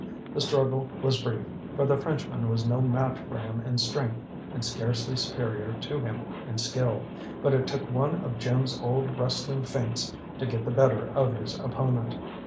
The struggle was brief, for the Frenchman was no match for Jim in strength and scarcely superior to him in skill; but it took one of Jim's old wrestling feints to get the better of his opponent.